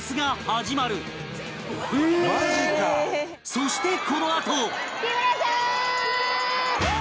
そしてこのあと